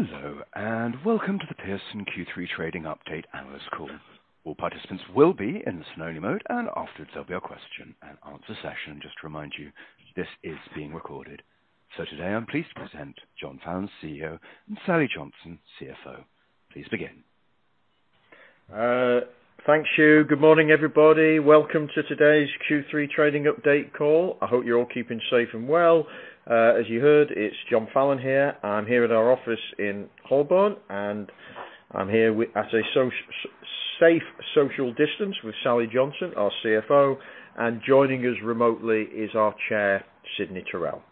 Hello, welcome to the Pearson Q3 trading update analyst call. All participants will be in listening mode, and afterwards there'll be a question and answer session. Just to remind you, this is being recorded. Today I'm pleased to present John Fallon, CEO, and Sally Johnson, CFO. Please begin. Thanks, Hugh. Good morning, everybody. Welcome to today's Q3 trading update call. I hope you're all keeping safe and well. As you heard, it's John Fallon here. I'm here at our office in Holborn, and I'm here at a safe social distance with Sally Johnson, our CFO. Joining us remotely is our Chair, Sidney Taurel.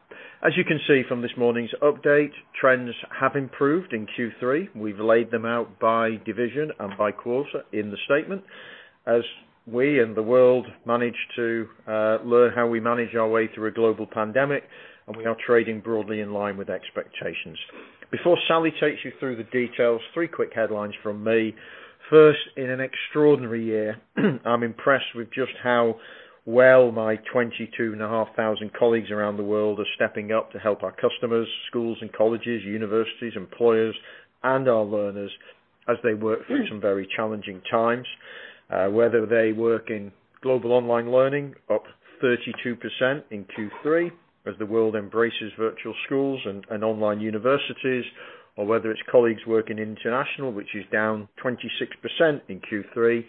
As you can see from this morning's update, trends have improved in Q3. We've laid them out by division and by quarter in the statement. As we and the world manage to learn how we manage our way through a global pandemic, and we are trading broadly in line with expectations. Before Sally Johnson takes you through the details, three quick headlines from me. First, in an extraordinary year, I'm impressed with just how well my 22,500 colleagues around the world are stepping up to help our customers, schools and colleges, universities, employers, and our learners as they work through some very challenging times. Whether they work in Global online learning, up 32% in Q3 as the world embraces virtual schools and online universities, or whether it's colleagues working international, which is down 26% in Q3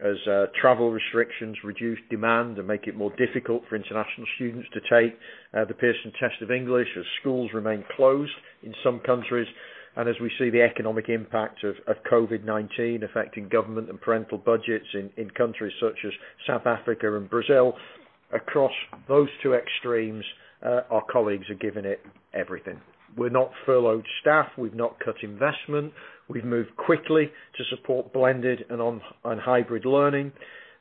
As travel restrictions reduce demand and make it more difficult for international students to take the Pearson Test of English, as schools remain closed in some countries, and as we see the economic impact of COVID-19 affecting government and parental budgets in countries such as South Africa and Brazil. Across those two extremes, our colleagues are giving it everything. We've not furloughed staff. We've not cut investment. We've moved quickly to support blended and on hybrid learning.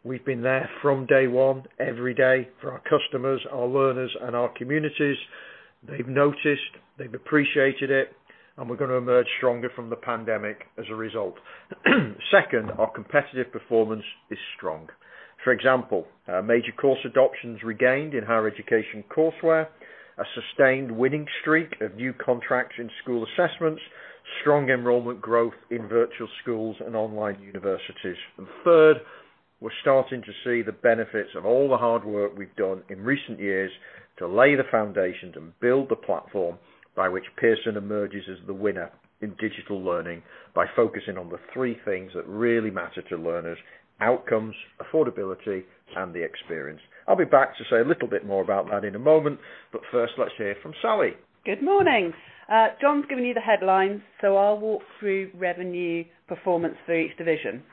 We've been there from day one every day for our customers, our learners, and our communities. They've noticed. They've appreciated it. We're going to emerge stronger from the pandemic as a result. Second, our competitive performance is strong. For example, major course adoptions regained in higher education courseware, a sustained winning streak of new contracts in school assessments, strong enrollment growth in virtual schools and online universities. Third, we're starting to see the benefits of all the hard work we've done in recent years to lay the foundations and build the platform by which Pearson emerges as the winner in digital learning by focusing on the three things that really matter to learners, outcomes, affordability, and the experience. I'll be back to say a little bit more about that in a moment. First, let's hear from Sally Johnson. Good morning. John Fallon has given you the headlines. I'll walk through revenue performance for each division.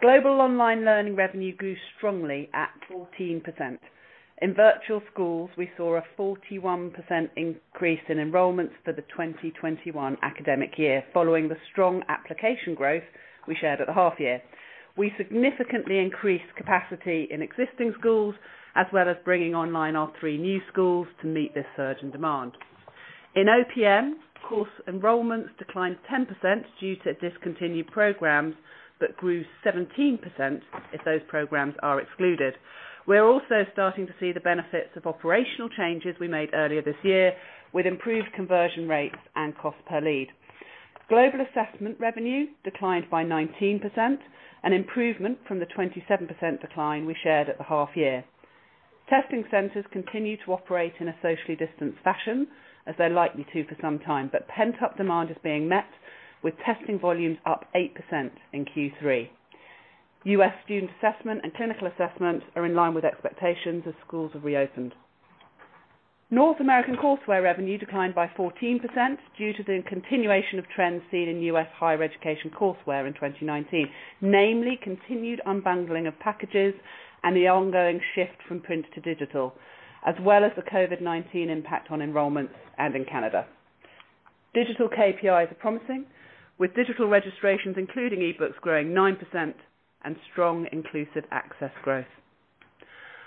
Global Online Learning revenue grew strongly at 14%. In virtual schools, we saw a 41% increase in enrollments for the 2021 academic year following the strong application growth we shared at the half year. We significantly increased capacity in existing schools, as well as bringing online our three new schools to meet this surge in demand. In OPM, course enrollments declined 10% due to discontinued programs but grew 17% if those programs are excluded. We're also starting to see the benefits of operational changes we made earlier this year with improved conversion rates and cost per lead. Global Assessment revenue declined by 19%, an improvement from the 27% decline we shared at the half year. Testing centers continue to operate in a socially distant fashion, as they're likely to for some time. Pent-up demand is being met with testing volumes up 8% in Q3. U.S. student assessment and clinical assessment are in line with expectations as schools have reopened. North American courseware revenue declined by 14% due to the continuation of trends seen in U.S. higher education courseware in 2019, namely continued unbundling of packages and the ongoing shift from print to digital, as well as the COVID-19 impact on enrollments and in Canada. Digital KPIs are promising, with digital registrations, including eText growing 9% and strong inclusive access growth.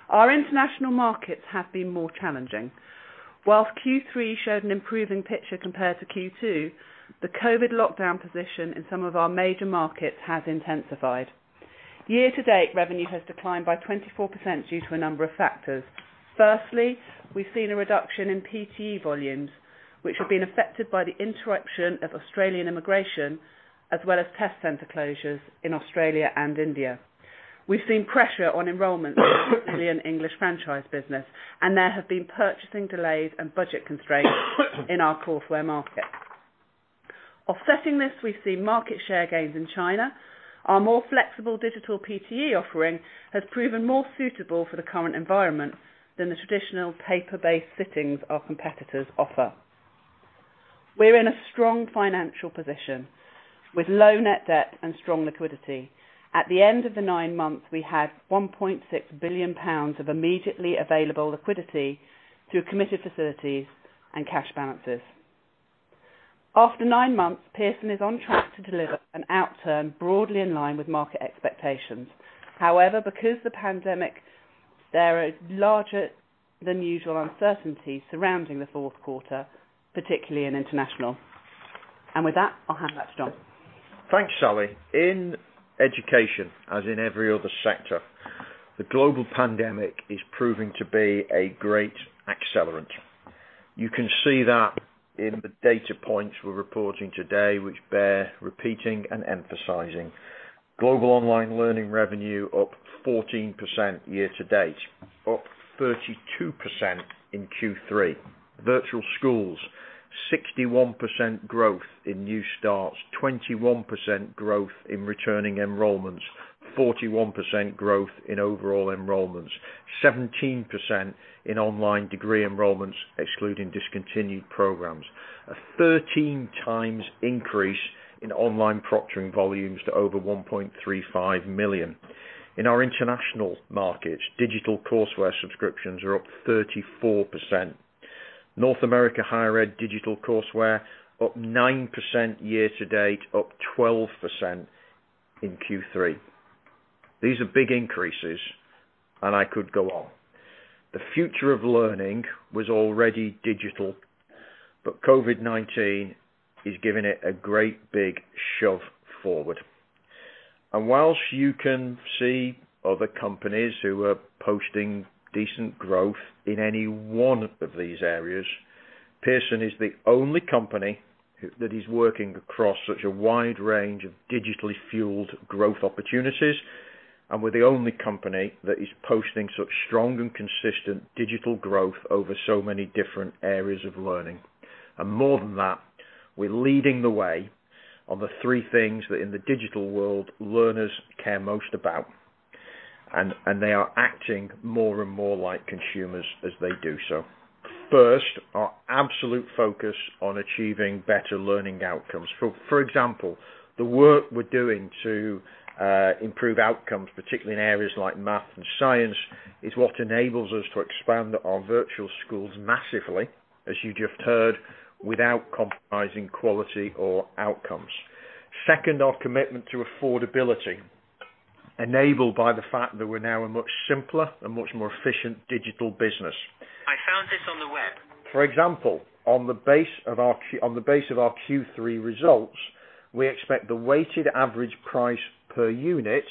Our international markets have been more challenging. While Q3 showed an improving picture compared to Q2, the COVID-19 lockdown position in some of our major markets has intensified. Year to date, revenue has declined by 24% due to a number of factors. Firstly, we've seen a reduction in PTE volumes, which have been affected by the interruption of Australian immigration, as well as test center closures in Australia and India. We've seen pressure on enrollments in the Australian English franchise business, and there have been purchasing delays and budget constraints in our courseware markets. Offsetting this, we've seen market share gains in China. Our more flexible digital PTE offering has proven more suitable for the current environment than the traditional paper-based sittings our competitors offer. We're in a strong financial position with low net debt and strong liquidity. At the end of the nine months, we had 1.6 billion pounds of immediately available liquidity through committed facilities and cash balances. After nine months, Pearson is on track to deliver an outturn broadly in line with market expectations. However, because of the pandemic, there is larger than usual uncertainty surrounding the fourth quarter, particularly in international. With that, I'll hand back to John Fallon. Thanks, Sally Johnson. In education, as in every other sector, the global pandemic is proving to be a great accelerant. You can see that in the data points we're reporting today, which bear repeating and emphasizing. Global online learning revenue up 14% year to date, up 32% in Q3. Virtual schools, 61% growth in new starts, 21% growth in returning enrollments, 41% growth in overall enrollments, 17% in online degree enrollments excluding discontinued programs. A 13 times increase in online proctoring volumes to over 1.35 million. In our international markets, digital courseware subscriptions are up 34%. North America higher ed digital courseware up 9% year to date, up 12% in Q3. These are big increases, and I could go on. The future of learning was already digital, but COVID-19 is giving it a great big shove forward. Whilst you can see other companies who are posting decent growth in any one of these areas, Pearson is the only company that is working across such a wide range of digitally-fueled growth opportunities, we're the only company that is posting such strong and consistent digital growth over so many different areas of learning. More than that, we're leading the way on the three things that in the digital world learners care most about. They are acting more and more like consumers as they do so. First, our absolute focus on achieving better learning outcomes. For example, the work we're doing to improve outcomes, particularly in areas like math and science, is what enables us to expand our virtual schools massively, as you just heard, without compromising quality or outcomes. Second, our commitment to affordability, enabled by the fact that we're now a much simpler and much more efficient digital business. For example, on the base of our Q3 results, we expect the weighted average price per unit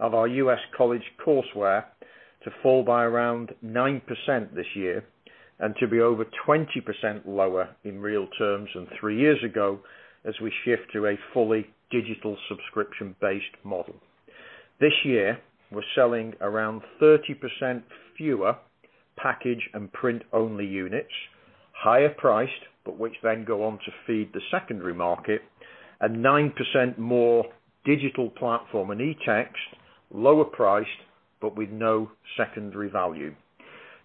of our U.S. college courseware to fall by around 9% this year and to be over 20% lower in real terms than three years ago, as we shift to a fully digital subscription-based model. This year, we're selling around 30% fewer package and print-only units, higher priced, but which then go on to feed the secondary market, and 9% more digital platform and eText, lower priced but with no secondary value.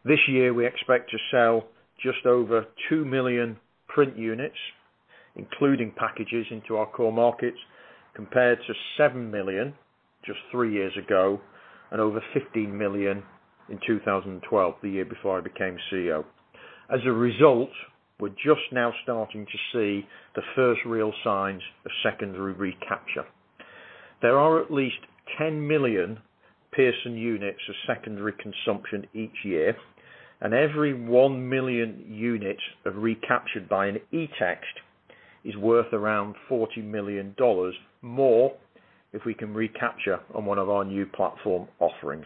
This year, we expect to sell just over two million print units, including packages into our core markets, compared to seven million just three years ago and over 15 million in 2012, the year before I became CEO. As a result, we're just now starting to see the first real signs of secondary recapture. There are at least 10 million Pearson units of secondary consumption each year. Every one million units recaptured by an eText is worth around $40 million more if we can recapture on one of our new platform offerings.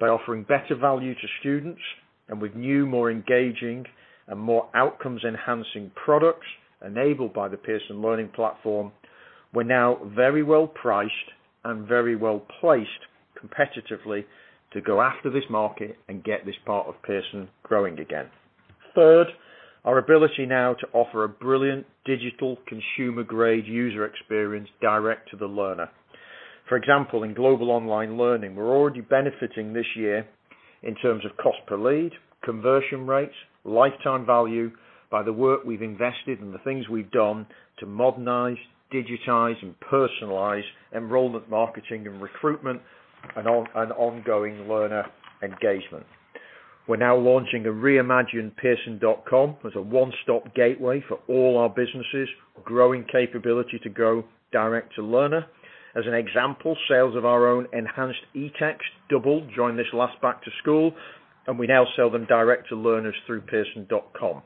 By offering better value to students and with new, more engaging, and more outcomes-enhancing products enabled by the Pearson Learning Platform, we're now very well priced and very well placed competitively to go after this market and get this part of Pearson growing again. Third, our ability now to offer a brilliant digital consumer-grade user experience direct to the learner. For example, in Global online learning, we're already benefiting this year in terms of cost per lead, conversion rates, lifetime value by the work we've invested and the things we've done to modernize, digitize, and personalize enrollment marketing and recruitment and ongoing learner engagement. We're now launching a reimagined pearson.com as a one-stop gateway for all our businesses. Growing capability to go direct to learner. As an example, sales of our own enhanced eText doubled during this last back to school, and we now sell them direct to learners through pearson.com.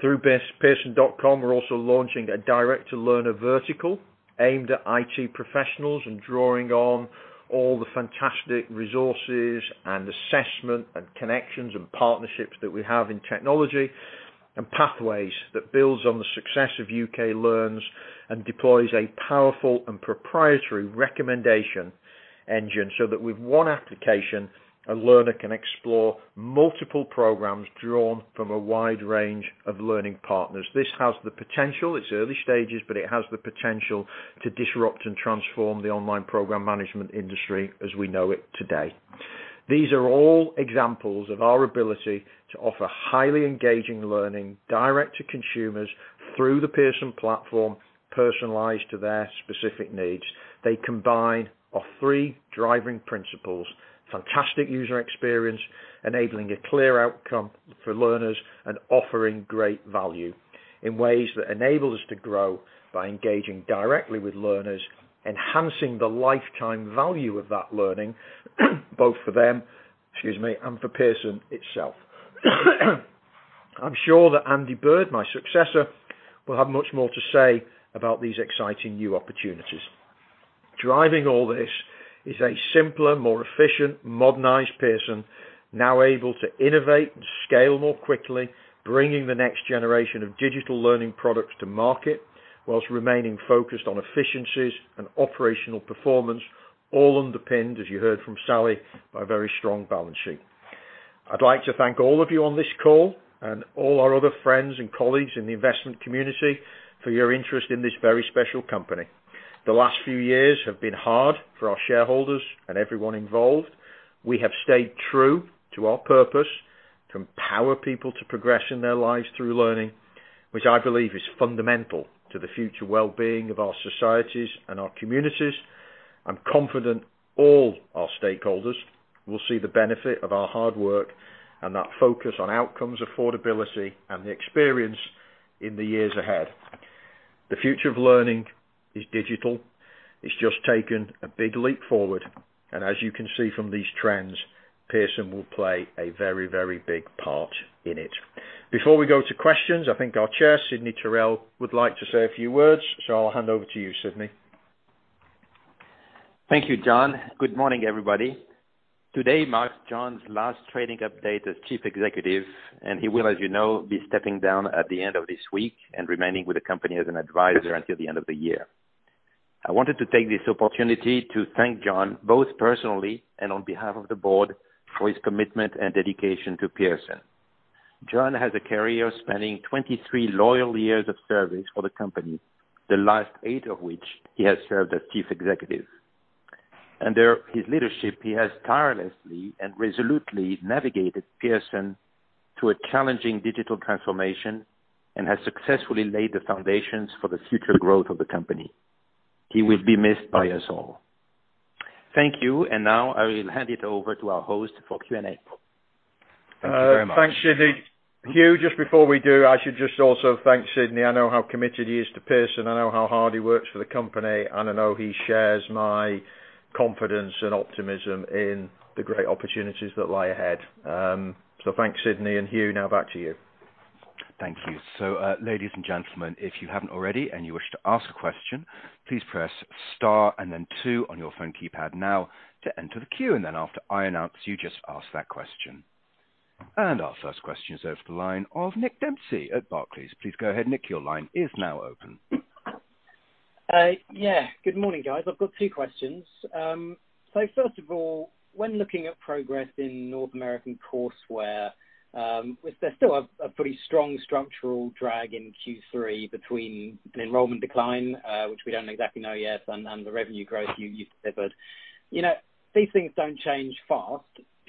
Through pearson.com, we're also launching a direct-to-learner vertical aimed at IT professionals and drawing on all the fantastic resources and assessment and connections and partnerships that we have in technology, and Pathways that builds on the success of UK Learns and deploys a powerful and proprietary recommendation engine so that with one application, a learner can explore multiple programs drawn from a wide range of learning partners. This has the potential, it's early stages, but it has the potential to disrupt and transform the online program management industry as we know it today. These are all examples of our ability to offer highly engaging learning direct to consumers through the Pearson platform, personalized to their specific needs. They combine our three driving principles, fantastic user experience, enabling a clear outcome for learners, and offering great value in ways that enable us to grow by engaging directly with learners, enhancing the lifetime value of that learning both for them. Excuse me, and for Pearson itself. I'm sure that Andy Bird, my successor, will have much more to say about these exciting new opportunities. Driving all this is a simpler, more efficient, modernized Pearson, now able to innovate and scale more quickly, bringing the next generation of digital learning products to market, while remaining focused on efficiencies and operational performance, all underpinned, as you heard from Sally Johnson, by a very strong balance sheet. I'd like to thank all of you on this call and all our other friends and colleagues in the investment community for your interest in this very special company. The last few years have been hard for our shareholders and everyone involved. We have stayed true to our purpose, to empower people to progress in their lives through learning, which I believe is fundamental to the future wellbeing of our societies and our communities. I'm confident all our stakeholders will see the benefit of our hard work, and that focus on outcomes, affordability, and the experience in the years ahead. The future of learning is digital. It's just taken a big leap forward, and as you can see from these trends, Pearson will play a very, very big part in it. Before we go to questions, I think our Chair, Sidney Taurel, would like to say a few words, so I'll hand over to you, Sidney. Thank you, John Fallon. Good morning, everybody. Today marks John's last trading update as chief executive, and he will, as you know, be stepping down at the end of this week and remaining with the company as an advisor until the end of the year. I wanted to take this opportunity to thank John Fallon, both personally and on behalf of the board, for his commitment and dedication to Pearson. John has a career spanning 23 loyal years of service for the company, the last eight of which he has served as chief executive. Under his leadership, he has tirelessly and resolutely navigated Pearson to a challenging digital transformation and has successfully laid the foundations for the future growth of the company. He will be missed by us all. Thank you. Now I will hand it over to our host for Q&A. Thanks, Sidney Taurel. Hugh, just before we do, I should just also thank Sidney Taurel. I know how committed he is to Pearson. I know how hard he works for the company, and I know he shares my confidence and optimism in the great opportunities that lie ahead. Thanks, Sidney Taurel. Hugh, now back to you. Thank you. Ladies and gentlemen, if you're here already and you want to ask a question, please press star, then two on your phone keypad now to enter the queue, and after I announce you just ask that question. Our first question is over the line of Nick Dempsey at Barclays. Please go ahead, Nick Dempsey. Your line is now open. Yeah, good morning, guys. I've got two questions. First of all, when looking at progress in North American courseware, there's still a pretty strong structural drag in Q3 between an enrollment decline, which we don't exactly know yet, and the revenue growth you've delivered. These things don't change fast.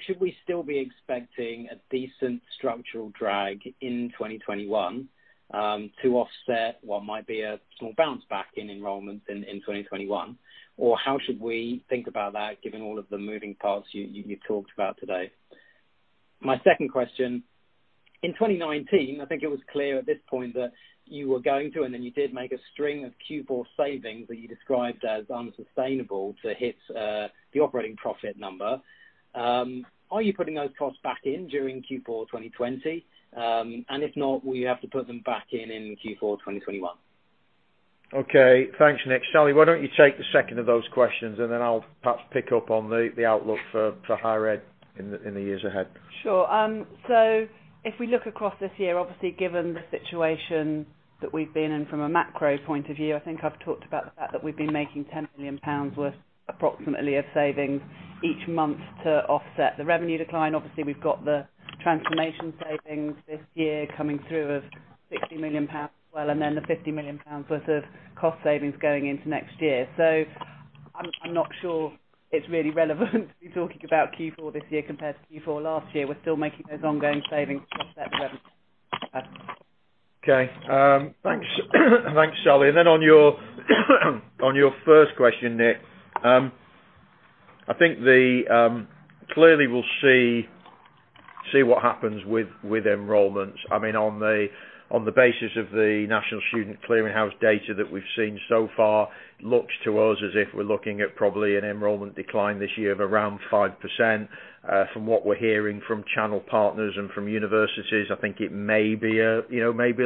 Should we still be expecting a decent structural drag in 2021 to offset what might be a small bounce back in enrollments in 2021? How should we think about that given all of the moving parts you talked about today? My second question, in 2019, I think it was clear at this point that you were going to, and then you did make a string of Q4 savings that you described as unsustainable to hit the operating profit number. Are you putting those costs back in during Q4 2020? If not, will you have to put them back in in Q4 2021? Okay. Thanks, Nick Dempsey. Sally Johnson, why don't you take the second of those questions, and then I'll perhaps pick up on the outlook for higher ed in the years ahead. Sure. If we look across this year, obviously, given the situation that we've been in from a macro point of view, I think I've talked about the fact that we've been making 10 million pounds worth, approximately, of savings each month to offset the revenue decline. We've got the transformation savings this year coming through of 60 million pounds as well, and then the 50 million pounds worth of cost savings going into next year. I'm not sure it's really relevant to be talking about Q4 this year compared to Q4 last year. We're still making those ongoing savings to offset the revenue. Okay. Thanks, Sally Johnson. On your first question, Nick Dempsey. I think clearly we'll see what happens with enrollments. On the basis of the National Student Clearinghouse data that we've seen so far, looks to us as if we're looking at probably an enrollment decline this year of around 5%. From what we're hearing from channel partners and from universities, I think it may be a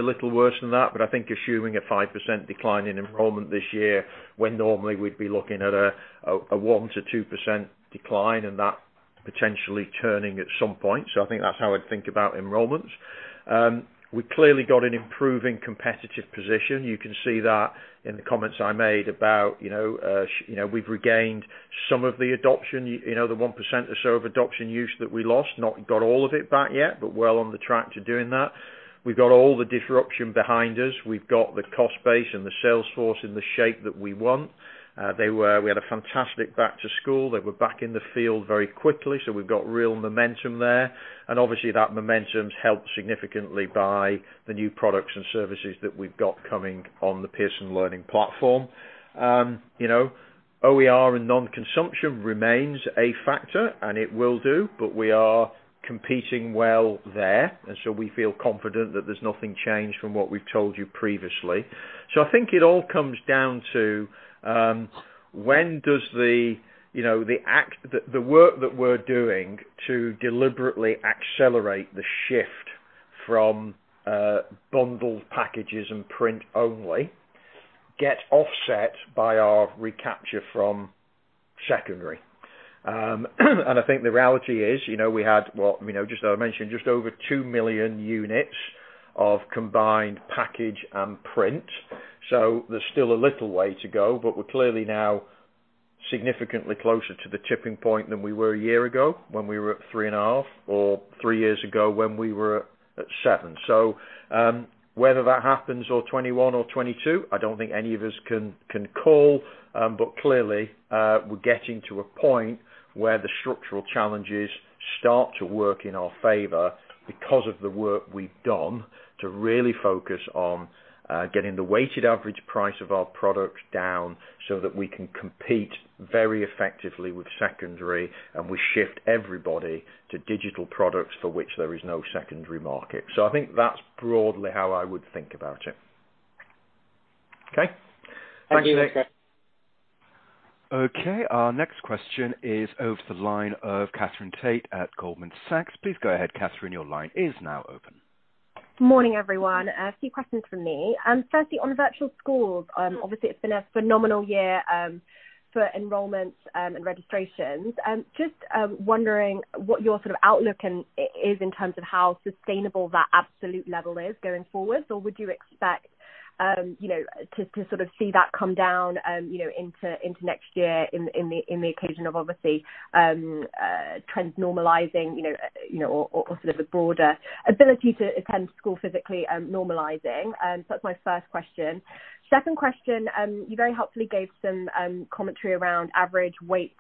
little worse than that. I think assuming a 5% decline in enrollment this year, when normally we'd be looking at a 1%-2% decline, and that potentially turning at some point. I think that's how I'd think about enrollments. We clearly got an improving competitive position. You can see that in the comments I made about we've regained some of the adoption, the 1% or so of adoption use that we lost, not got all of it back yet, but well on the track to doing that. We've got all the disruption behind us. We've got the cost base and the sales force in the shape that we want. We had a fantastic back to school. They were back in the field very quickly, so we've got real momentum there. Obviously that momentum is helped significantly by the new products and services that we've got coming on the Pearson Learning Platform. OER and non-consumption remains a factor, and it will do, but we are competing well there. We feel confident that there's nothing changed from what we've told you previously. I think it all comes down to when does the work that we're doing to deliberately accelerate the shift from bundled packages and print only get offset by our recapture from secondary? I think the reality is, we had, just as I mentioned, just over two million units of combined package and print. There's still a little way to go, but we're clearly now significantly closer to the tipping point than we were a year ago when we were at three and a half, or three years ago when we were at seven. Whether that happens or 2021 or 2022, I don't think any of us can call. Clearly, we're getting to a point where the structural challenges start to work in our favor because of the work we've done to really focus on getting the weighted average price of our products down so that we can compete very effectively with secondary, and we shift everybody to digital products for which there is no secondary market. I think that's broadly how I would think about it. Okay? Thank you, Nick Dempsey. Okay, our next question is over the line of Katherine Tait at Goldman Sachs. Please go ahead, Katherine. Your line is now open. Morning, everyone. A few questions from me. Firstly, on virtual schools, obviously it's been a phenomenal year for enrollments and registrations. Just wondering what your sort of outlook is in terms of how sustainable that absolute level is going forward. Would you expect to sort of see that come down into next year in the occasion of obviously trends normalizing, or sort of a broader ability to attend school physically normalizing? That's my first question. Second question, you very helpfully gave some commentary around average weighted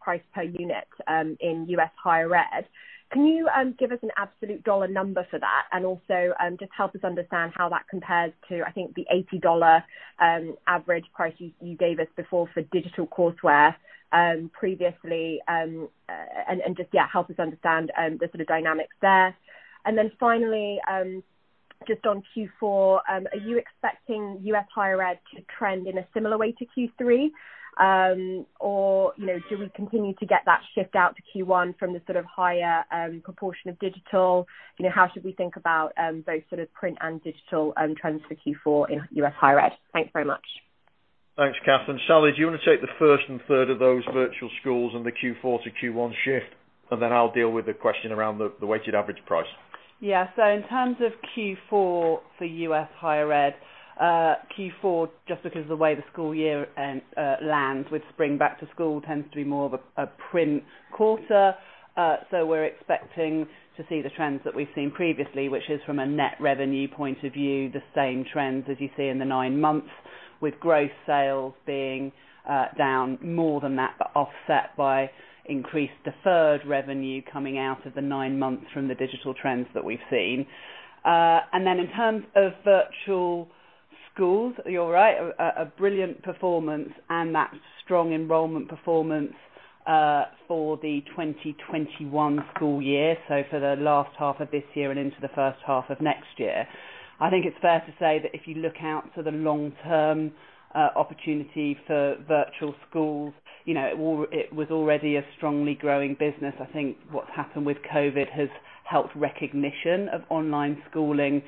price per unit, in U.S. higher ed. Can you give us an absolute dollar number for that? Also, just help us understand how that compares to, I think, the $80 average price you gave us before for digital courseware previously, and just, yeah, help us understand the sort of dynamics there. Finally, just on Q4, are you expecting U.S. higher ed to trend in a similar way to Q3? Do we continue to get that shift out to Q1 from the sort of higher proportion of digital? How should we think about both sort of print and digital trends for Q4 in U.S. higher ed? Thanks very much. Thanks, Katherine Tait. Sally Johnson, do you want to take the first and third of those virtual schools and the Q4 to Q1 shift, and then I'll deal with the question around the weighted average price. Yeah. In terms of Q4 for U.S. higher ed, Q4, just because of the way the school year lands with spring back to school tends to be more of a print quarter. We're expecting to see the trends that we've seen previously, which is from a net revenue point of view, the same trends as you see in the nine months, with gross sales being down more than that, but offset by increased deferred revenue coming out of the nine months from the digital trends that we've seen. In terms of virtual schools, you're right, a brilliant performance and that strong enrollment performance for the 2021 school year, so for the last half of this year and into the first half of next year. I think it's fair to say that if you look out to the long-term opportunity for virtual schools, it was already a strongly growing business. I think what's happened with COVID-19 has helped recognition of online schooling,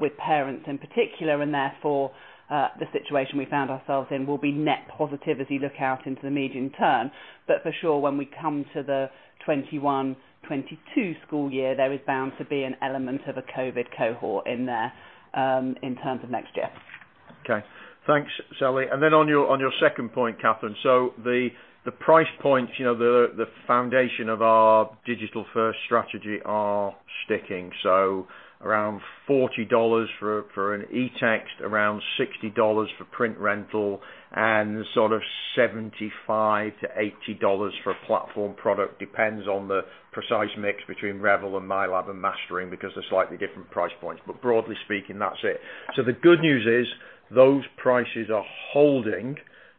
with parents in particular, and therefore, the situation we found ourselves in will be net positive as you look out into the medium term. For sure, when we come to the 2021, 2022 school year, there is bound to be an element of a COVID-19 cohort in there, in terms of next year. Thanks, Sally Johnson. On your second point, Katherine Tait, the price points, the foundation of our digital-first strategy are sticking. Around $40 for an eText, around $60 for print rental, sort of $75-$80 for a platform product. Depends on the precise mix between Revel and MyLab and Mastering because they're slightly different price points. Broadly speaking, that's it. The good news is those prices are holding.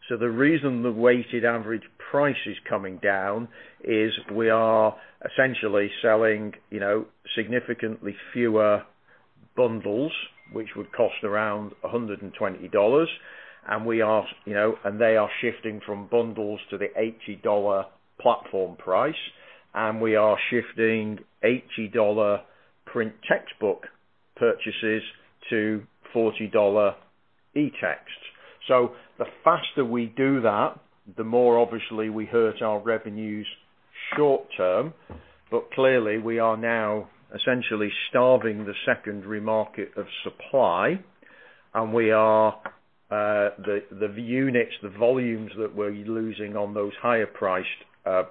The reason the weighted average price is coming down is we are essentially selling significantly fewer bundles, which would cost around $120. They are shifting from bundles to the $80 platform price. We are shifting $80 print textbook purchases to $40 eTexts. The faster we do that, the more obviously we hurt our revenues short-term. Clearly, we are now essentially starving the secondary market of supply, the units, the volumes that we're losing on those higher priced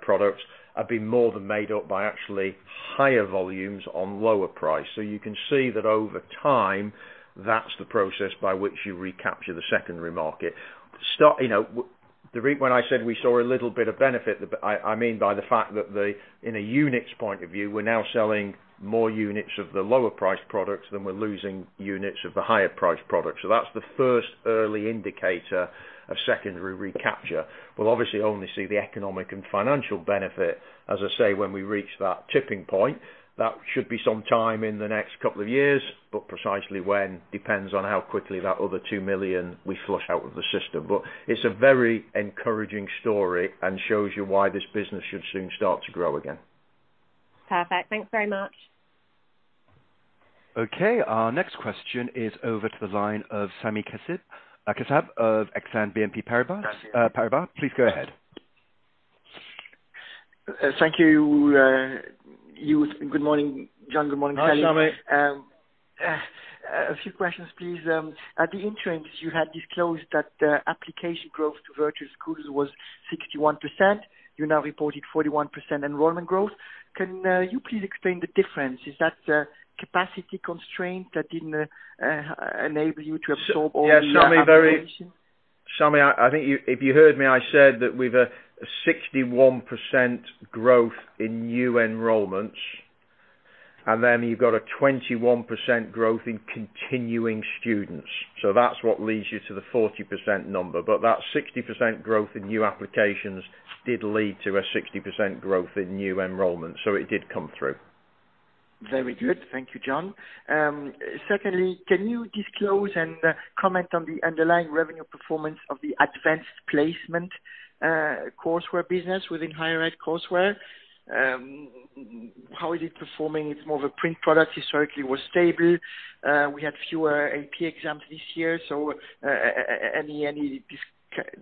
products have been more than made up by actually higher volumes on lower price. You can see that over time, that's the process by which you recapture the secondary market. When I said we saw a little bit of benefit, I mean by the fact that in a units point of view, we're now selling more units of the lower priced products than we're losing units of the higher priced products. That's the first early indicator of secondary recapture. We'll obviously only see the economic and financial benefit, as I say, when we reach that tipping point. That should be some time in the next couple of years, but precisely when depends on how quickly that other two million we flush out of the system. It's a very encouraging story and shows you why this business should soon start to grow again. Perfect. Thanks very much. Okay. Our next question is over to the line of Sami Kassab of Exane BNP Paribas. Please go ahead. Thank you. Good morning, John Fallon. Good morning, Sally Johnson. Hi, Sami Kassab. A few questions, please. At the interim, you had disclosed that application growth to virtual schools was 61%. You now reported 41% enrollment growth. Can you please explain the difference? Is that a capacity constraint that didn't enable you to absorb all the applications? Sami Kassab, I think if you heard me, I said that we've a 61% growth in new enrollments, and then you've got a 21% growth in continuing students. That's what leads you to the 40% number. That 60% growth in new applications did lead to a 60% growth in new enrollments. It did come through. Very good. Thank you, John Fallon. Secondly, can you disclose and comment on the underlying revenue performance of the Advanced Placement courseware business within higher ed courseware? How is it performing? It's more of a print product. Historically, it was stable. We had fewer AP exams this year, so any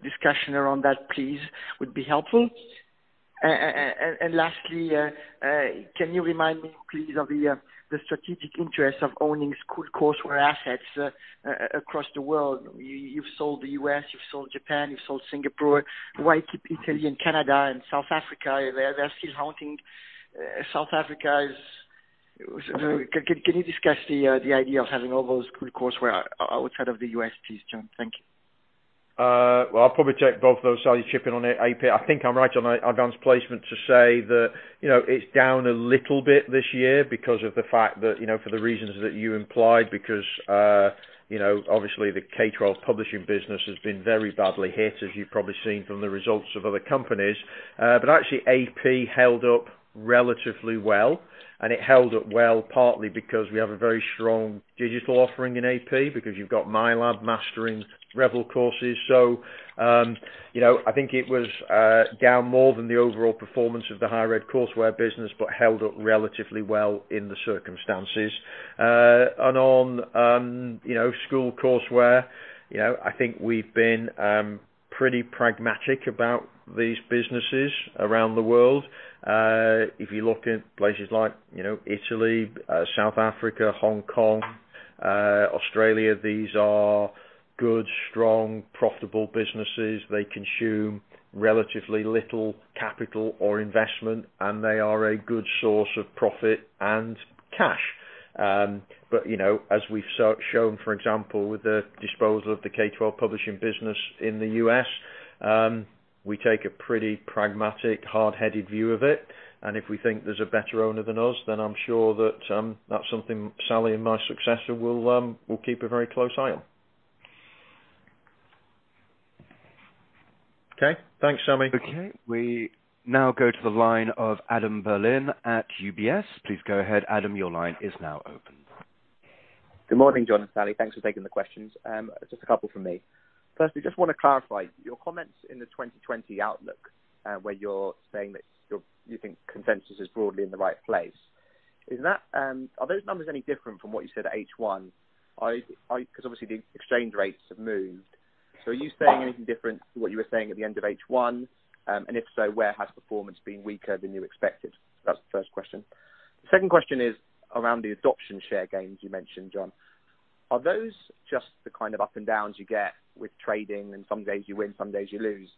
discussion around that, please, would be helpful. Lastly, can you remind me, please, of the strategic interest of owning school courseware assets across the world? You've sold the U.S., you've sold Japan, you've sold Singapore. Why keep Italy and Canada and South Africa? They're still Hong Kong. Can you discuss the idea of having all those school courseware outside of the U.S., please, John Fallon? Thank you. I'll probably take both those, Sally Johnson. Chipping on AP. I think I'm right on Advanced Placement to say that it's down a little bit this year because of the fact that for the reasons that you implied, because obviously the K-12 publishing business has been very badly hit, as you've probably seen from the results of other companies. Actually, AP held up relatively well, and it held up well partly because we have a very strong digital offering in AP, because you've got MyLab Mastering Revel courses. I think it was down more than the overall performance of higher ed courseware where business were held relatively well in the circumstances. On school courseware, I think we've been pretty pragmatic about these businesses around the world. If you look in places like Italy, South Africa, Hong Kong, Australia, these are good, strong, profitable businesses. They consume relatively little capital or investment, and they are a good source of profit and cash. As we've shown, for example, with the disposal of the K-12 publishing business in the U.S., we take a pretty pragmatic, hard-headed view of it. If we think there's a better owner than us, then I'm sure that that's something Sally Johnson and my successor will keep a very close eye on. Okay. Thanks, Sami. Okay. We now go to the line of Adam Berlin at UBS. Please go ahead, Adam. Your line is now open. Good morning, John Fallon and Sally Johnson. Thanks for taking the questions. Just a couple from me. Firstly, just want to clarify your comments in the 2020 outlook, where you're saying that you think consensus is broadly in the right place. Are those numbers any different from what you said at H1? Because obviously the exchange rates have moved. Are you saying anything different to what you were saying at the end of H1? If so, where has performance been weaker than you expected? That's the first question. The second question is around the adoption share gains you mentioned, John Fallon. Are those just the kind of up and downs you get with trading and some days you win, some days you lose?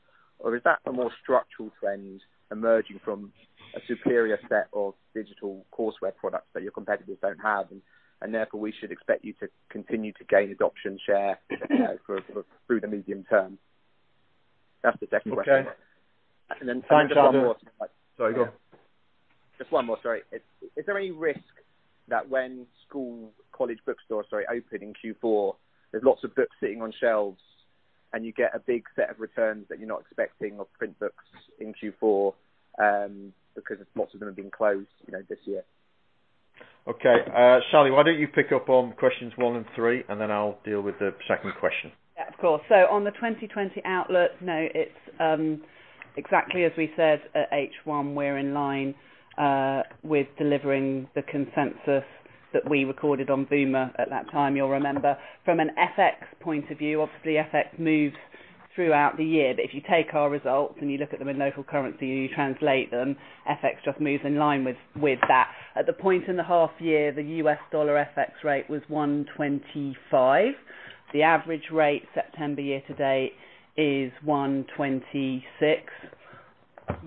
Is that a more structural trend emerging from a superior set of digital courseware products that your competitors don't have, and therefore we should expect you to continue to gain adoption share through the medium term? That's the second question. Okay. And then- Time, Sally Johnson. just one more. Sorry, go on. Just one more, sorry. Is there any risk that when college bookstores open in Q4, there's lots of books sitting on shelves, and you get a big set of returns that you're not expecting of print books in Q4 because lots of them have been closed this year? Okay. Sally Johnson, why don't you pick up on questions one and three. I'll deal with the second question. Yeah, of course. On the 2020 outlook, no, it's exactly as we said at H1. We're in line with delivering the consensus that we recorded on VUMA at that time, you'll remember. From an FX point of view, obviously, FX moved throughout the year. If you take our results and you look at them in local currency and you translate them, FX just moves in line with that. At the point in the half year, the U.S. dollar FX rate was 1.25. The average rate September year to date is 1.26.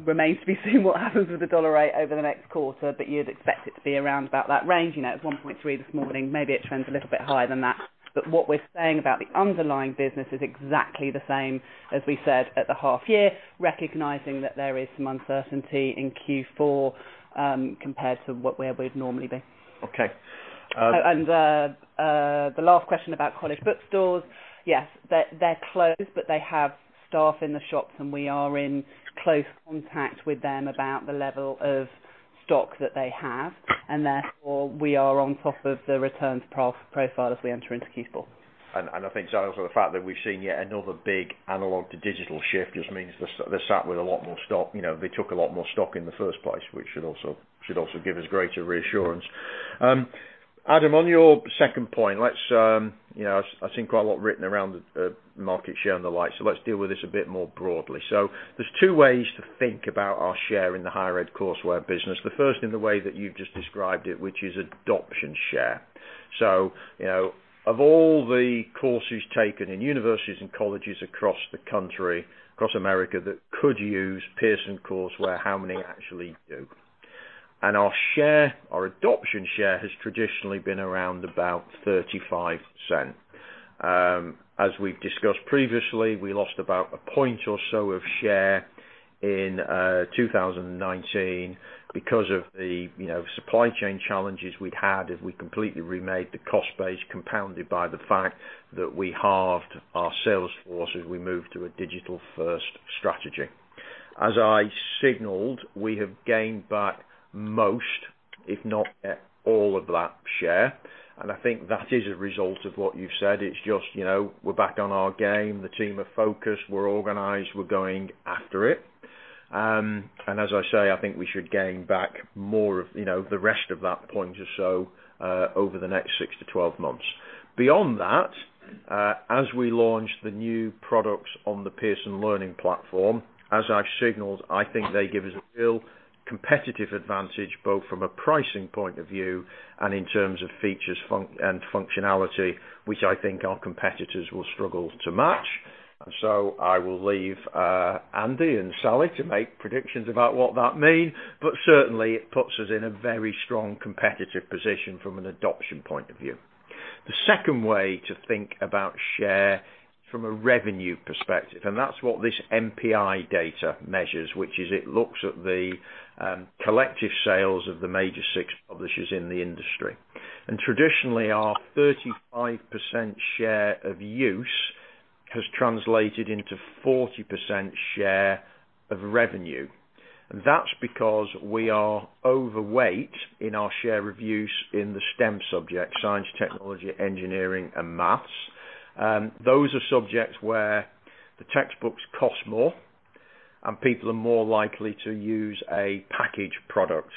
Remains to be seen what happens with the dollar rate over the next quarter, but you'd expect it to be around about that range. It was 1.3 this morning. Maybe it trends a little bit higher than that. What we're saying about the underlying business is exactly the same as we said at the half year, recognizing that there is some uncertainty in Q4, compared to where we'd normally be. Okay. The last question about college bookstores. Yes, they're closed, but they have staff in the shops, and we are in close contact with them about the level of stock that they have. Therefore, we are on top of the returns profile as we enter into Q4. I think, Sally Johnson, also the fact that we've seen yet another big analog to digital shift just means they're sat with a lot more stock. They took a lot more stock in the first place, which should also give us greater reassurance. Adam Berlin, on your second point, I've seen quite a lot written around market share and the like, let's deal with this a bit more broadly. There's two ways to think about our share in the higher ed courseware business. The first, in the way that you've just described it, which is adoption share. Of all the courses taken in universities and colleges across the country, across America, that could use Pearson courseware, how many actually do? Our adoption share has traditionally been around about 35%. As we've discussed previously, we lost about a point or so of share in 2019 because of the supply chain challenges we'd had as we completely remade the cost base, compounded by the fact that we halved our sales force as we moved to a digital-first strategy. As I signaled, we have gained back most, if not all of that share. I think that is a result of what you've said. It's just we're back on our game. The team are focused. We're organized. We're going after it. As I say, I think we should gain back the rest of that point or so over the next 6 to 12 months. Beyond that, as we launch the new products on the Pearson Learning Platform, as I've signaled, I think they give us a real competitive advantage, both from a pricing point of view and in terms of features and functionality, which I think our competitors will struggle to match. I will leave Andy Bird and Sally Johnson to make predictions about what that means, but certainly it puts us in a very strong competitive position from an adoption point of view. The second way to think about share is from a revenue perspective, and that's what this MPI data measures, which is it looks at the collective sales of the major six publishers in the industry. Traditionally, our 35% share of use has translated into 40% share of revenue. That's because we are overweight in our share of use in the STEM subjects, science, technology, engineering and math. Those are subjects where the textbooks cost more, and people are more likely to use a package product,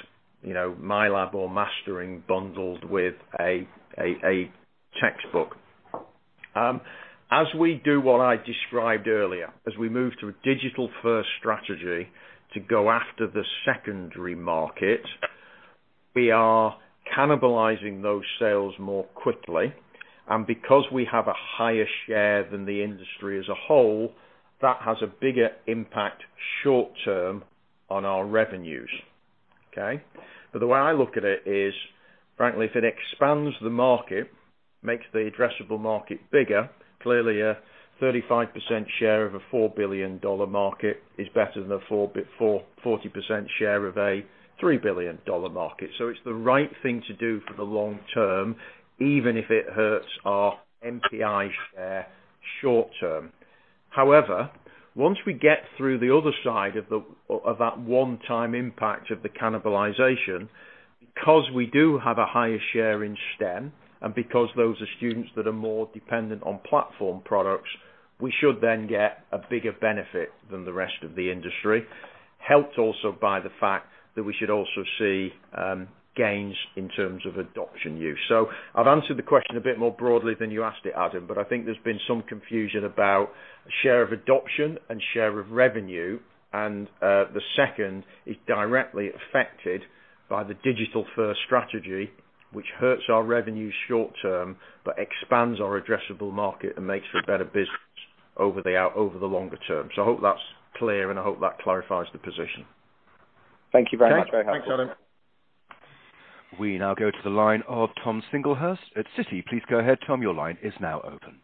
MyLab or Mastering bundled with a textbook. As we do what I described earlier, as we move to a digital-first strategy to go after the secondary market, we are cannibalizing those sales more quickly. Because we have a higher share than the industry as a whole, that has a bigger impact short term on our revenues. Okay? The way I look at it is, frankly, if it expands the market, makes the addressable market bigger, clearly a 35% share of a $4 billion market is better than a 40% share of a $3 billion market. It's the right thing to do for the long term, even if it hurts our MPI share short term. However, once we get through the other side of that one-time impact of the cannibalization, because we do have a higher share in STEM, and because those are students that are more dependent on platform products, we should then get a bigger benefit than the rest of the industry, helped also by the fact that we should also see gains in terms of adoption use. I've answered the question a bit more broadly than you asked it, Adam Berlin, but I think there's been some confusion about share of adoption and share of revenue, and the second is directly affected by the digital-first strategy, which hurts our revenue short term, but expands our addressable market and makes for better business over the longer term. I hope that's clear, and I hope that clarifies the position. Thank you very much. Thanks, Adam Berlin. We now go to the line of Thomas Singlehurst at Citi. Please go ahead, Thomas, your line is now open.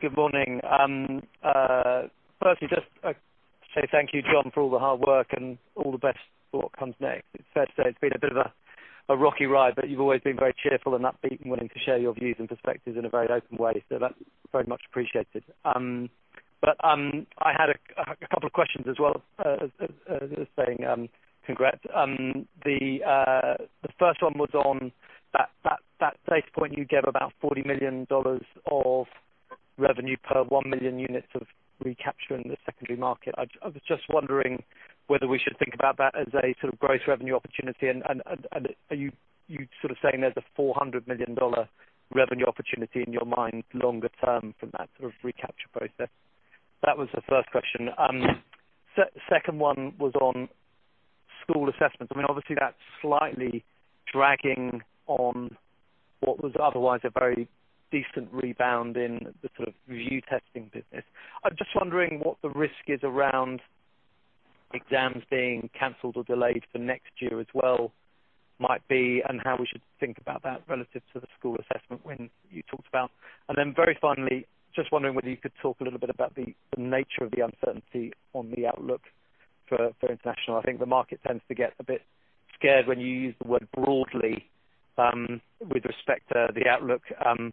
Good morning. Firstly, just to say thank you, John Fallon, for all the hard work and all the best for what comes next. It's fair to say it's been a bit of a rocky ride, but you've always been very cheerful and upbeat and willing to share your views and perspectives in a very open way. That's very much appreciated. I had a couple of questions as well as saying congrats. The first one was on that data point you gave about $40 million of revenue per one million units of recapture in the secondary market. I was just wondering whether we should think about that as a sort of gross revenue opportunity, and are you sort of saying there's a GBP 400 million revenue opportunity in your mind longer term from that sort of recapture process? That was the first question. Second one was on School assessments. Obviously, that's slightly dragging on what was otherwise a very decent rebound in the VUE testing business. I'm just wondering what the risk is around exams being canceled or delayed for next year as well might be, and how we should think about that relative to the school assessment wing you talked about. Very finally, just wondering whether you could talk a little bit about the nature of the uncertainty on the outlook for international. I think the market tends to get a bit scared when you use the word broadly with respect to the outlook and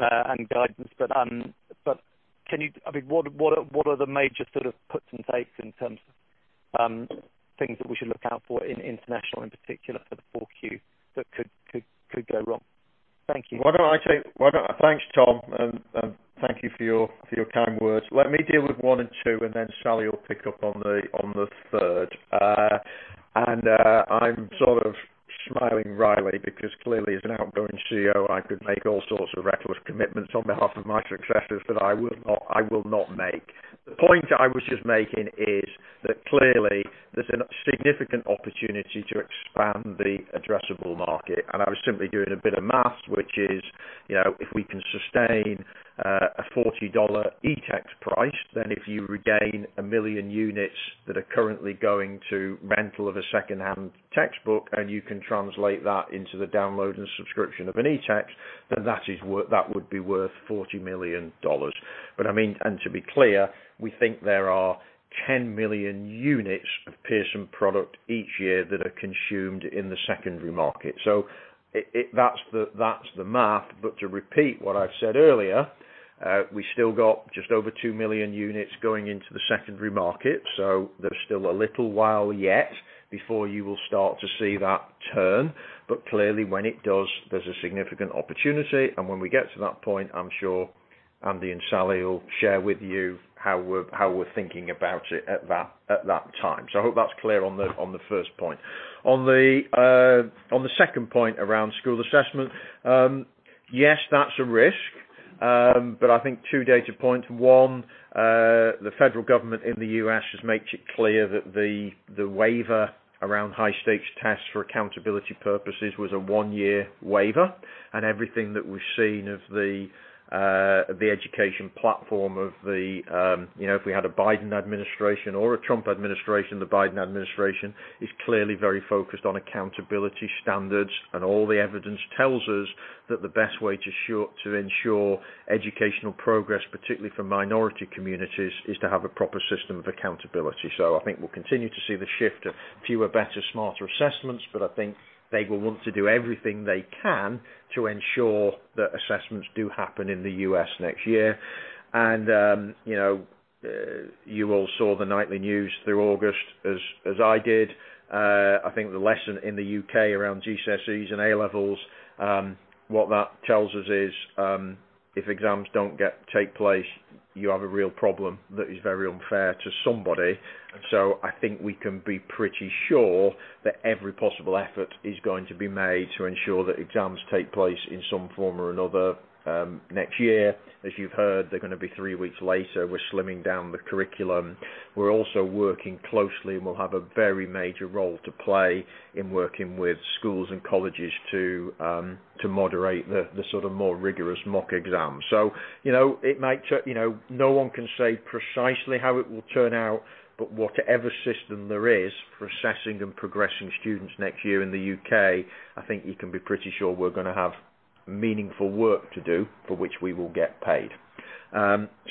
guidance. What are the major puts and takes in terms of things that we should look out for in international in particular for the Q4 that could go wrong? Thank you. Thanks, Thomas Singlehurst, and thank you for your kind words. Let me deal with one and two, and then Sally Johnson will pick up on the third. I'm sort of smiling wryly because clearly, as an outgoing CEO, I could make all sorts of reckless commitments on behalf of my successors that I will not make. The point I was just making is that clearly there's a significant opportunity to expand the addressable market, and I was simply doing a bit of math, which is, if we can sustain a $40 eText price, then if you regain a million units that are currently going to rental of a secondhand textbook, and you can translate that into the download and subscription of an eText, then that would be worth $40 million. To be clear, we think there are 10 million units of Pearson product each year that are consumed in the secondary market. That's the math. To repeat what I've said earlier, we still got just over two million units going into the secondary market, so there's still a little while yet before you will start to see that turn. Clearly, when it does, there's a significant opportunity, and when we get to that point, I'm sure Andy Bird and Sally Johnson will share with you how we're thinking about it at that time. I hope that's clear on the first point. On the second point around school assessment, yes, that's a risk. I think two data points. One, the federal government in the U.S. has made it clear that the waiver around high-stakes tests for accountability purposes was a one-year waiver. Everything that we've seen of the education platform of the, if we had a Biden administration or a Trump administration, the Biden administration is clearly very focused on accountability standards. All the evidence tells us that the best way to ensure educational progress, particularly for minority communities, is to have a proper system of accountability. I think we'll continue to see the shift to fewer, better, smarter assessments. I think they will want to do everything they can to ensure that assessments do happen in the U.S. next year. You all saw the nightly news through August as I did. I think the lesson in the U.K. around GCSEs and A Levels, what that tells us is, if exams don't take place, you have a real problem that is very unfair to somebody. I think we can be pretty sure that every possible effort is going to be made to ensure that exams take place in some form or another next year. As you've heard, they're going to be three weeks later. We're slimming down the curriculum. We're also working closely, and we'll have a very major role to play in working with schools and colleges to moderate the more rigorous mock exams. No one can say precisely how it will turn out, but whatever system there is for assessing and progressing students next year in the U.K., I think you can be pretty sure we're going to have meaningful work to do for which we will get paid.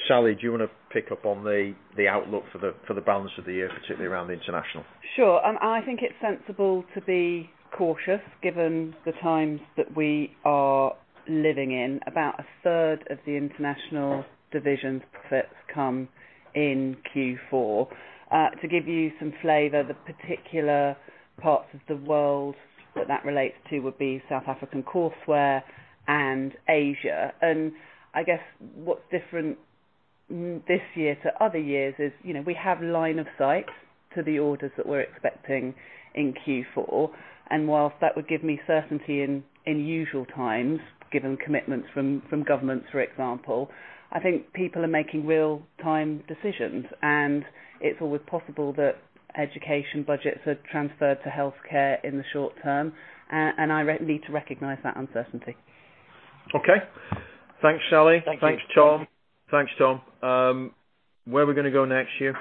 Sally Johnson, do you want to pick up on the outlook for the balance of the year, particularly around the international? Sure. I think it's sensible to be cautious given the times that we are living in. About a third of the international division's profits come in Q4. To give you some flavor, the particular parts of the world that that relates to would be South African courseware and Asia. I guess what's different this year to other years is, we have line of sight to the orders that we're expecting in Q4. Whilst that would give me certainty in usual times, given commitments from governments, for example, I think people are making real-time decisions, and it's always possible that education budgets are transferred to healthcare in the short term, and I need to recognize that uncertainty. Okay. Thanks, Sally Johnson. Thank you. Thanks, Thomas Singlehurst. Where are we going to go next, Hugh?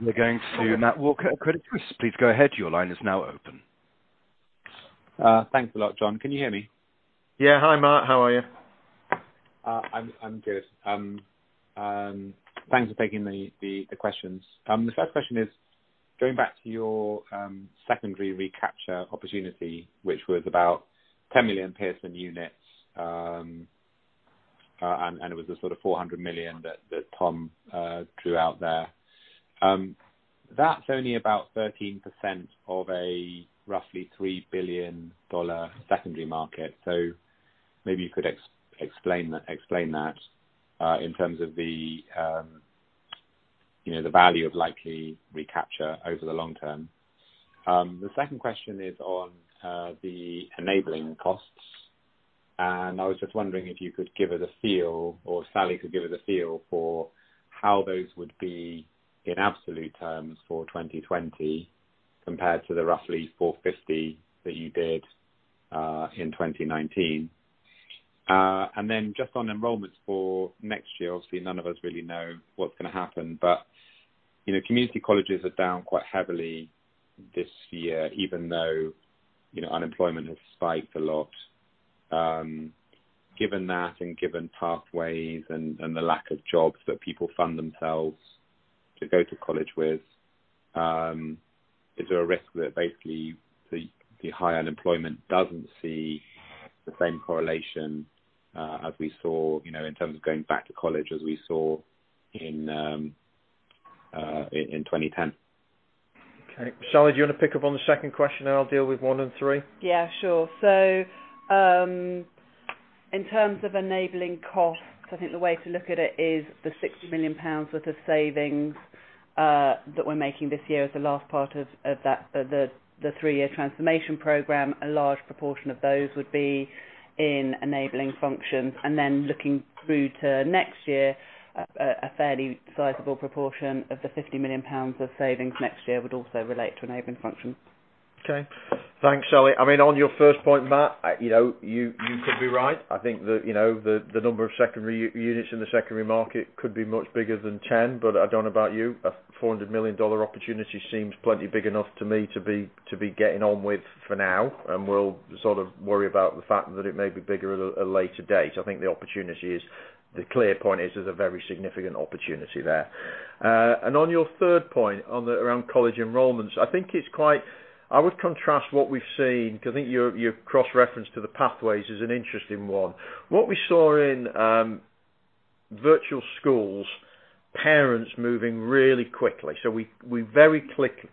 We're going to Matthew Walker at Credit Suisse. Please go ahead. Your line is now open. Thanks a lot, John. Can you hear me? Yeah. Hi, Matthew Walker. How are you? I'm good. Thanks for taking the questions. The first question is going back to your secondary recapture opportunity, which was about 10 million Pearson units, and it was the sort of 400 million that Thomas Singlehurst threw out there. That's only about 13% of a roughly GBP 3 billion secondary market. Maybe you could explain that in terms of the value of likely recapture over the long term. The second question is on the enabling costs. I was just wondering if you could give us a feel, or Sally Johnson could give us a feel for how those would be in absolute terms for 2020 compared to the roughly 450 that you did in 2019. Just on enrollments for next year, obviously none of us really know what's going to happen, but community colleges are down quite heavily this year, even though unemployment has spiked a lot. Given that and given Pathways and the lack of jobs that people fund themselves to go to college with, is there a risk that basically the high unemployment doesn't see the same correlation as we saw, in terms of going back to college, as we saw in 2010? Okay. Sally Johnson, do you want to pick up on the second question, and I'll deal with one and three? Yeah, sure. In terms of enabling costs, I think the way to look at it is the 60 million pounds worth of savings that we're making this year as the last part of the three-year transformation program. A large proportion of those would be in enabling functions. Looking through to next year, a fairly sizable proportion of the 50 million pounds of savings next year would also relate to enabling functions. Okay. Thanks, Sally Johnson. On your first point, Matthew Walker, you could be right. I think that the number of units in the secondary market could be much bigger than 10. I don't know about you, a GBP 400 million opportunity seems plenty big enough to me to be getting on with for now. We'll sort of worry about the fact that it may be bigger at a later date. I think the clear point is there's a very significant opportunity there. On your third point around college enrollments, I would contrast what we've seen, because I think your cross-reference to the Pathways is an interesting one. What we saw in virtual schools, parents moving really quickly. We very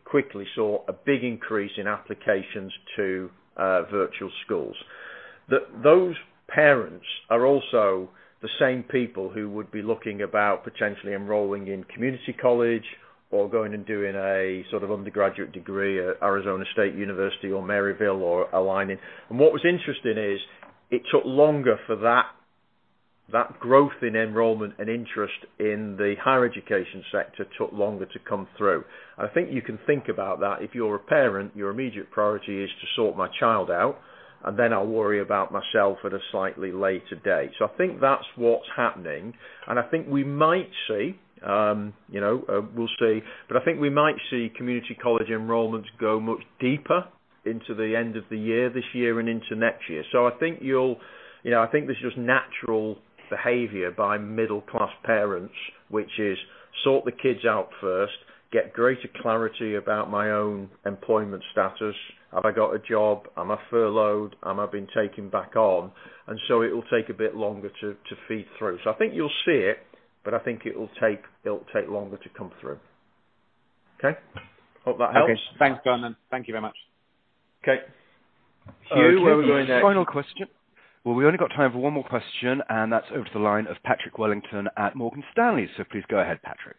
quickly saw a big increase in applications to virtual schools. Those parents are also the same people who would be looking about potentially enrolling in community college or going and doing a sort of undergraduate degree at Arizona State University or Maryville or Aligning. What was interesting is it took longer for that growth in enrollment and interest in the higher education sector to come through. I think you can think about that. If you're a parent, your immediate priority is to sort my child out, and then I'll worry about myself at a slightly later date. I think that's what's happening, and I think we might see community college enrollments go much deeper into the end of the year this year and into next year. I think there's just natural behavior by middle-class parents, which is sort the kids out first, get greater clarity about my own employment status. Have I got a job? Am I furloughed? Am I being taken back on? It will take a bit longer to feed through. I think you'll see it, but I think it'll take longer to come through. Okay. Hope that helps. Okay. Thanks, John Fallon. Thank you very much. Okay. Hugh, where are we going next? Final question. We only got time for one more question, that's over to the line of Patrick Wellington at Morgan Stanley. Please go ahead, Patrick.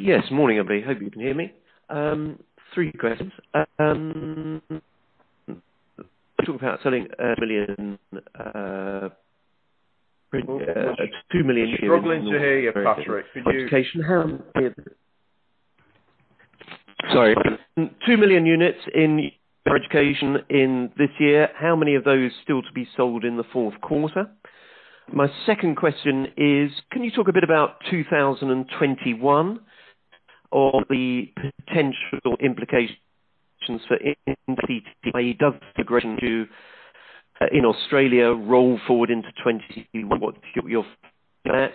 Yes. Morning, everybody. Hope you can hear me. Three questions. Talk about selling a million- We're struggling to hear you, Patrick Wellington. Sorry. Two million units in higher education in this year. How many of those still to be sold in the fourth quarter? My second question is, can you talk a bit about 2021 or the potential implications for in Australia roll forward into 2021? What's your at?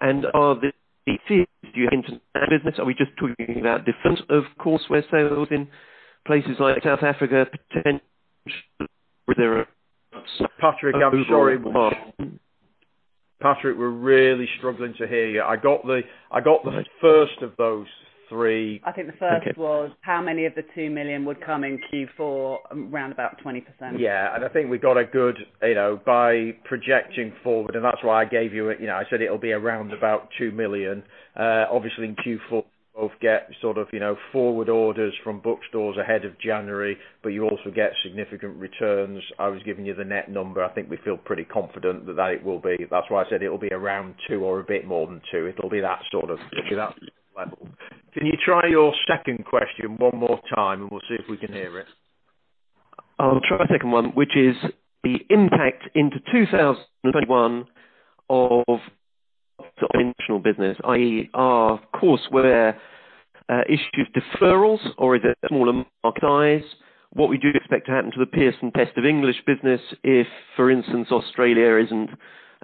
Are we just talking about different, of course, were sold in places like South Africa, potentially were there. Patrick Wellington, I'm sorry. Patrick Wellington, we're really struggling to hear you. I got the first of those three. I think the first was how many of the two million would come in Q4, around about 20%. Yeah. I think we got, by projecting forward, and that's why I gave you, I said it'll be around two million units. Obviously, in Q4, we both get sort of forward orders from bookstores ahead of January, but you also get significant returns. I was giving you the net number. I think we feel pretty confident that it will be. That's why I said it'll be around 2 or a bit more than 2. It'll be that sort of level. Can you try your second question one more time, and we'll see if we can hear it. I'll try the second one, which is the impact into 2021 of business, i.e., are courseware, issued deferrals or is it a size? What we do expect to happen to the Pearson Test of English business if, for instance, Australia isn't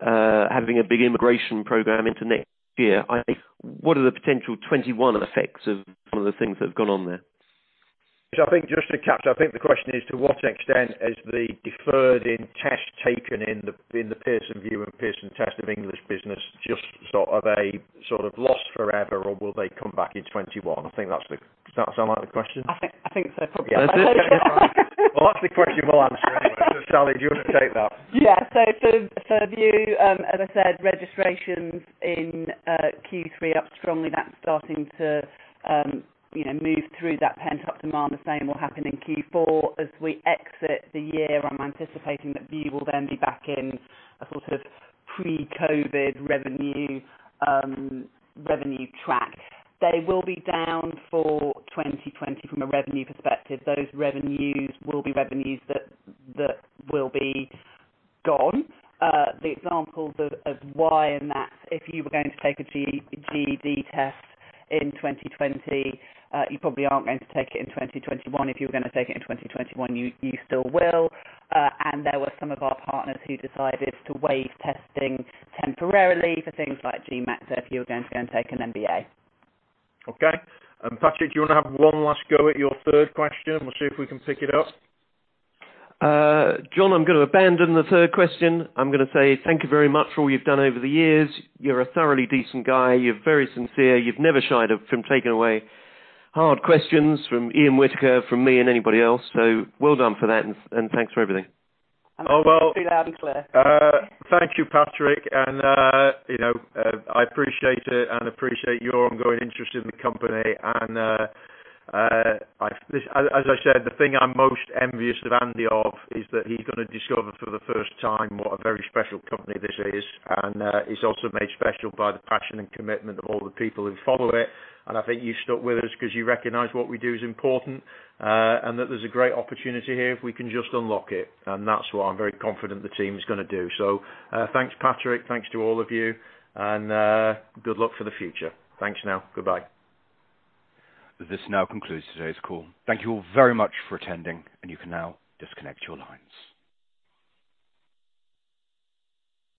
having a big immigration program into next year? What are the potential 2021 effects of some of the things that have gone on there? I think just to capture, I think the question is, to what extent has the deferred in test taken in the Pearson VUE and Pearson Test of English business just sort of a lost forever, or will they come back in 2021? Does that sound like the question? I think so. Well, that's the question we'll answer. Sally Johnson, do you want to take that? Yeah. For VUE, as I said, registrations in Q3 up strongly. That's starting to move through that pent-up demand. The same will happen in Q4. As we exit the year, I'm anticipating that VUE will then be back in a sort of pre-COVID-19 revenue track. They will be down for 2020 from a revenue perspective. Those revenues will be revenues that will be gone. The examples of why in that, if you were going to take a GED test in 2020, you probably aren't going to take it in 2021. If you were going to take it in 2021, you still will. There were some of our partners who decided to waive testing temporarily for things like GMAT, so if you were going to go and take an MBA. Okay. Patrick Wellington, do you want to have one last go at your third question? We'll see if we can pick it up. John Fallon, I'm going to abandon the third question. I'm going to say thank you very much for all you've done over the years. You're a thoroughly decent guy. You're very sincere. You've never shied from taking away hard questions from Ian Whittaker, from me, and anybody else, so well done for that, and thanks for everything. That's pretty loud and clear. Oh, well. Thank you, Patrick Wellington, and I appreciate it and appreciate your ongoing interest in the company. As I said, the thing I'm most envious of Andy Bird of is that he's going to discover for the first time what a very special company this is, and it's also made special by the passion and commitment of all the people who follow it. I think you've stuck with us because you recognize what we do is important, and that there's a great opportunity here if we can just unlock it, and that's what I'm very confident the team is going to do. Thanks, Patrick Wellington. Thanks to all of you, and good luck for the future. Thanks now. Goodbye. This now concludes today's call. Thank you all very much for attending, and you can now disconnect your lines.